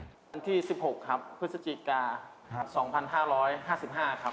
วันที่๑๖ครับพฤศจิกา๒๕๕๕ครับ